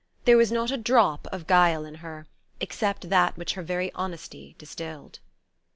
There was not a drop of guile in her, except that which her very honesty distilled.